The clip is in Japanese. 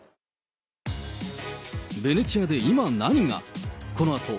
ベネチアで今何が。